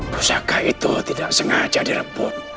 pusaka itu tidak sengaja direbut